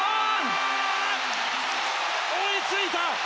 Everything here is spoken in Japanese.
追いついた！